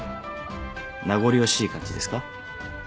名残惜しい感じですか？